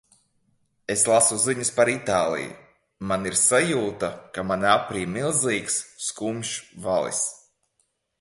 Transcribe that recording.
Es lasu ziņas par Itāliju. man ir sajūta, ka mani aprij milzīgs, skumjš valis.